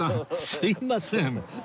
すいません